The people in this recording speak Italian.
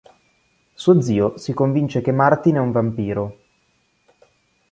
Suo zio si convince che Martin è un vampiro.